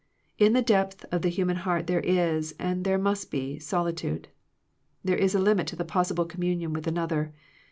In the depth of the human heart there is, and there must be, solitude. There is a limit to the possible communion with another.